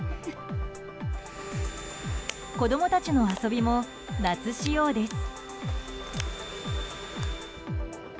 子供たちの遊びも夏仕様です。